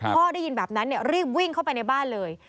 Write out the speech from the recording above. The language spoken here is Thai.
ได้ยินแบบนั้นรีบวิ่งเข้าไปในบ้านเลย